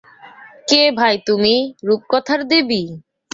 কে ভাই তুমি, রূপকথার দেবী?